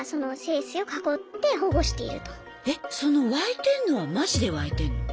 えっその湧いてんのはマジで湧いてんの？